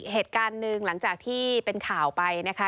เหตุการณ์หนึ่งหลังจากที่เป็นข่าวไปนะคะ